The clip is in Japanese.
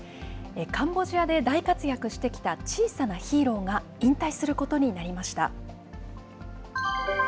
カンボジアで大活躍してきた小さなヒーローが引退することになりました。